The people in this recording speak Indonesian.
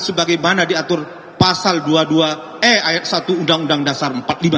sebagaimana diatur pasal dua puluh dua e ayat satu undang undang dasar empat puluh lima